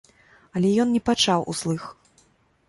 Але ён не пачаў услых.